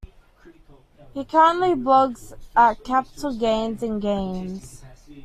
He currently blogs at Capital Gains and Games.